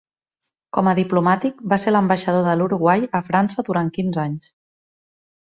Com a diplomàtic, va ser l'ambaixador de l'Uruguai a França durant quinze anys.